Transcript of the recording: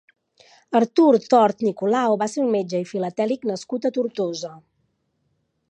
Artur Tort Nicolau va ser un metge i filatèlic nascut a Tortosa.